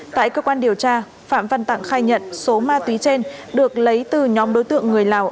tại cơ quan điều tra phạm văn tặng khai nhận số ma túy trên được lấy từ nhóm đối tượng người lào